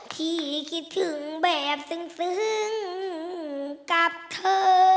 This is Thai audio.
คิดถึงแบบซึ้งกับเธอ